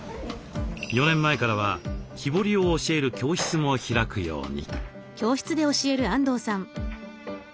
４年前からは木彫りを教える教室も開くように。